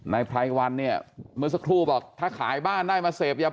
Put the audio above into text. ในไพรท์วันเมื่อสักครู่บอกถ้าขายบ้านได้มาเสพ